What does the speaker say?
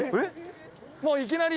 もう、いきなり。